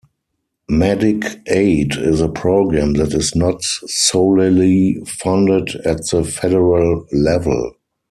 Medicaid is a program that is not solely funded at the federal level.